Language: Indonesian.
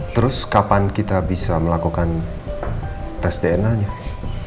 terus kapan kita bisa melakukan kandunganor caregivers